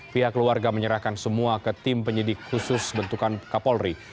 pihak keluarga menyerahkan semua ke tim penyidik khusus bentukan kapolri